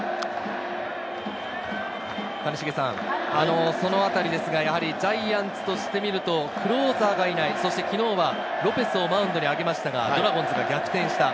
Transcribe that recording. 谷繁さん、その辺りですが、ジャイアンツとして見ると、クローザーがいない、そして昨日はロペスをマウンドに上げましたが、ドラゴンズが逆転した。